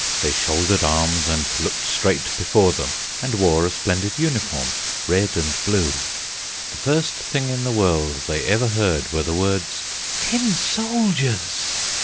They shouldered arms and looked straight before them, and wore a splendid uniform, red and blue. The first thing in the world they ever heard were the words, "Tin soldiers!"